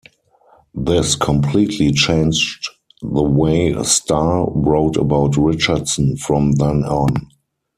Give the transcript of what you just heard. This completely changed the way Starr wrote about Richardson from then on.